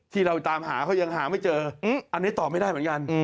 ที่เราตามหาเขายังหาไม่เจออันนี้ตอบไม่ได้เหมือนกัน